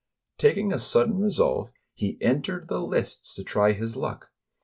Taking a sudden resolve, he entered the lists to try his luck.